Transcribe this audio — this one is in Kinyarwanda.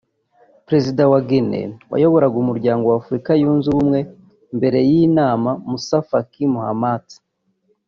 Perezida wa Guinnée wayoboraga umuryango w’Afrika yunze ubumwe mbere y’iyi nama na Moussa Faki Mahamat